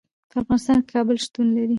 په افغانستان کې کابل شتون لري.